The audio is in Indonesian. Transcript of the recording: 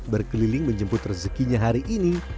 berkeliling menjemput rezekinya hari ini